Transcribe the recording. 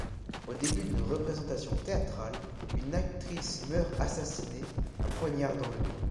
Au début d'une représentation théâtrale, une actrice meurt assassinée, un poignard dans le dos.